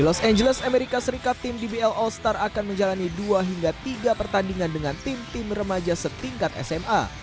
di los angeles amerika serikat tim dbl all star akan menjalani dua hingga tiga pertandingan dengan tim tim remaja setingkat sma